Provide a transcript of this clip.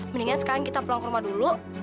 mendingan sekarang kita pulang ke rumah dulu